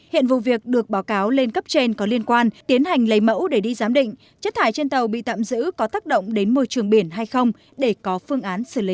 hiện vụ việc được báo cáo lên cấp trên có liên quan tiến hành lấy mẫu để đi giám định chất thải trên tàu bị tạm giữ có tác động đến môi trường biển hay không để có phương án xử lý